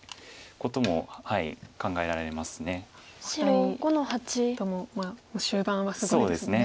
お二人とも終盤はすごいですね。